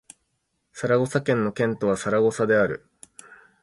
サラゴサ県の県都はサラゴサである